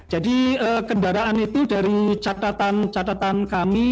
jadi kendaraan itu dari catatan catatan kami